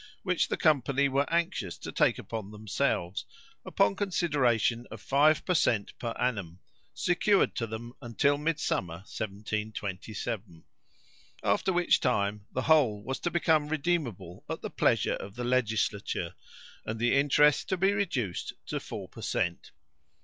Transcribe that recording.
which the company were anxious to take upon themselves, upon consideration of five per cent per annum, secured to them until Midsummer 1727; after which time, the whole was to become redeemable at the pleasure of the legislature, and the interest to be reduced to four per cent.